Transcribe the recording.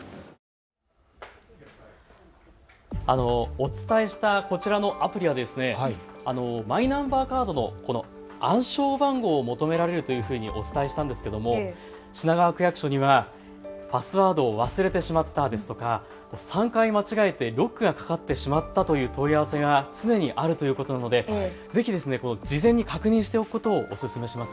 お伝えしたこちらのアプリはマイナンバーカードの暗証番号を求められてるというふうにお伝えしたんですけれども品川区役所にはパスワードを忘れてしまったですとかとか３回間違えてロックがかかってしまったという問い合わせが常にあるということでぜひ事前に確認しておくことをおすすめします。